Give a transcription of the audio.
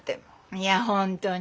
いや本当に。